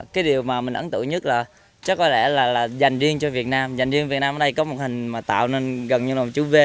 cái điều mà mình ấn tượng nhất là chắc có lẽ là dành riêng cho việt nam dành riêng việt nam ở đây có một hình mà tạo nên gần như là một chú v